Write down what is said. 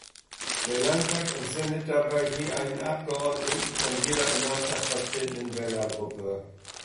Der Landtag entsendet dabei je einen Abgeordneten von jeder im Landtag vertretenen Wählergruppe.